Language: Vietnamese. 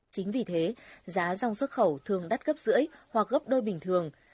chính vì thế giá rong xuất khẩu thường đắt gấp rưỡi hoặc gấp đôi bình thường